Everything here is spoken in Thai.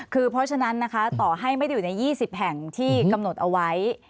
คือเพราะฉะนั้นนะคะต่อให้ไม่ได้อยู่ใน๒๐แห่งที่กำหนดเอาไว้